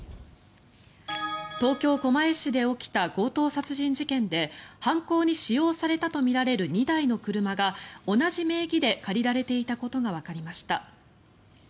東京・狛江市で起きた強盗殺人事件で犯行に使用されたとみられる２台の車が同じ名義で借りられていたことがわかりました。